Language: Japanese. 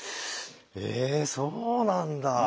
えそうなんだ。